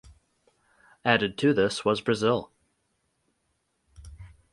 Added to this was Brazil.